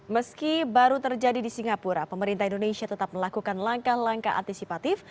meski baru terjadi di singapura pemerintah indonesia tetap melakukan langkah langkah antisipatif